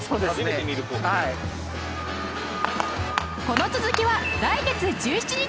この続きは来月１７日